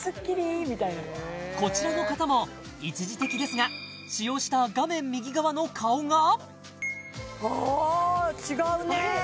こちらの方も一時的ですが使用した画面右側の顔が違うねあれ？